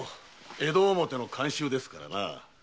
江戸表の慣習ですから。